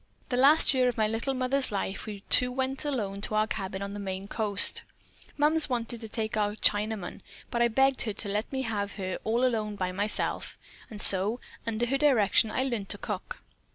"The last year of my little mother's life we two went alone to our cabin on the Maine coast. Mums wanted to take our Chinaman, but I begged her to let me have her all alone by myself, and so under her direction I learned to cook.